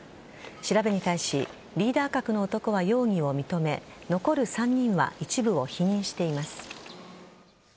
調べに対しリーダー格の男は容疑を認め残る３人は一部を否認しています。